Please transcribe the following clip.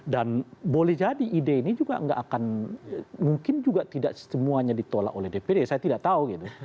boleh jadi ide ini juga nggak akan mungkin juga tidak semuanya ditolak oleh dpd saya tidak tahu gitu